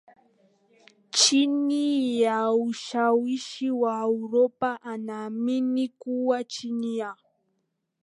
chini ya ushawishi wa Uropa Anaamini kuwa chini ya